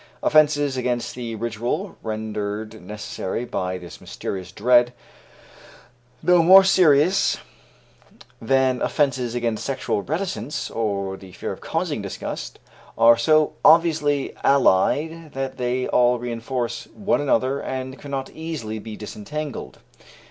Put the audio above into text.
Offences against the ritual rendered necessary by this mysterious dread, though more serious than offences against sexual reticence or the fear of causing disgust, are so obviously allied that they all reinforce one another and cannot easily be disentangled.